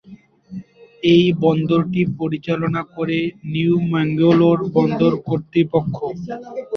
এই বন্দরটি পরিচালনা করে নিউ ম্যাঙ্গালোর বন্দর কর্তৃপক্ষ।